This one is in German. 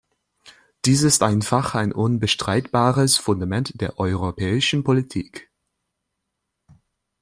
Dies ist einfach ein unbestreitbares Fundament der europäischen Politik.